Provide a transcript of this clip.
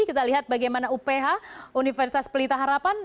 kita lihat bagaimana uph universitas pelita harapan